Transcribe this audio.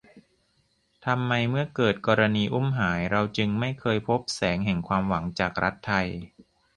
ทำไมเมื่อเกิดกรณีอุ้มหายเราจึงไม่เคยพบแสงแห่งความหวังจากรัฐไทย